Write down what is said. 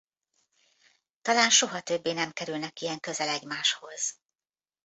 Talán soha többé nem kerülnek ilyen közel egymáshoz.